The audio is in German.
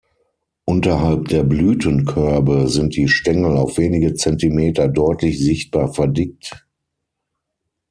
Unterhalb der Blütenkörbe sind die Stängel auf wenige Zentimeter deutlich sichtbar verdickt.